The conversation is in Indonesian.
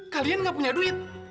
kalian nggak punya duit